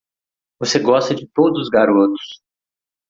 Você gosta de todos os garotos.